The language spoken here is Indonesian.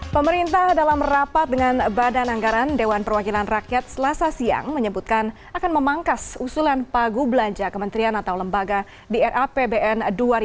pemerintah dalam rapat dengan badan anggaran dewan perwakilan rakyat selasa siang menyebutkan akan memangkas usulan pagu belanja kementerian atau lembaga di rapbn dua ribu dua puluh